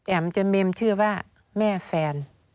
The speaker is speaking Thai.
แอ๋มจะเมมชื่อว่าแม่แฟน